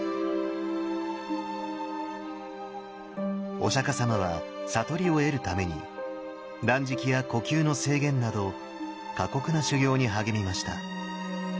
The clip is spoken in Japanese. お釈様は悟りを得るために断食や呼吸の制限など過酷な修行に励みました。